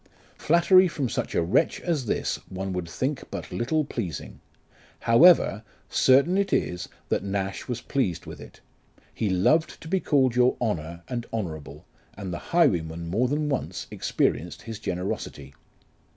Flattery from such a wretch as this one would think but little pleasing ; however, certain it is that Nash was pleased with it. He loved to be called " your Honour," and " Honourable," and the highwayman more than once experienced his generosity.